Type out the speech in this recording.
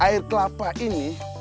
air kelapa ini